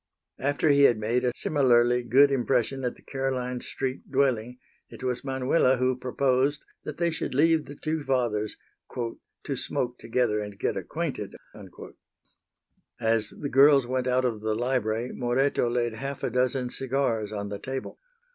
After he had made a similarly good impression at the Caroline street dwelling it was Manuela who proposed that they should leave the two fathers "to smoke together and get acquainted." As the girls went out of the library Moreto laid half a dozen cigars on the table.